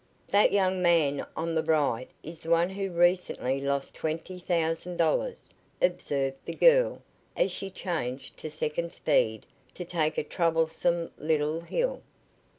"That young man on the right is the one who recently lost twenty thousand dollars," observed the girl as she changed to second speed to take a troublesome little hill.